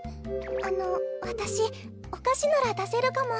あのわたしおかしならだせるかも。